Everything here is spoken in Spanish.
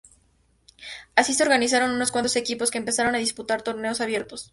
Así se organizaron unos cuantos equipos que empezaron a disputar torneos abiertos.